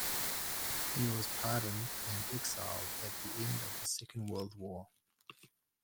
He was pardoned and exiled at the end of the Second World War.